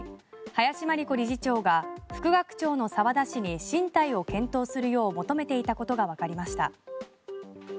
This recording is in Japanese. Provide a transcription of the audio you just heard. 林真理子理事長が副学長の澤田氏に進退を検討するよう求めていたことがわかりました。